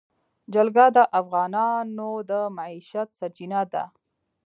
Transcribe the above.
جلګه د افغانانو د معیشت سرچینه ده.